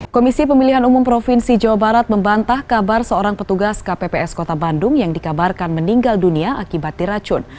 komisi pemilihan umum provinsi jawa barat membantah kabar seorang petugas kpps kota bandung yang dikabarkan meninggal dunia akibat diracun